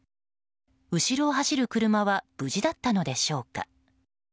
後ろを走る車は無事だったのでしょうか。